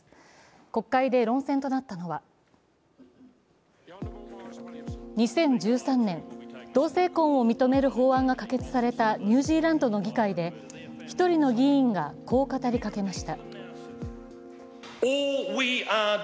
国会で論戦となったのは２０１３年、同性婚を認める法案が可決されたニュージーランドの議会で、１人の議員がこう語りかけました。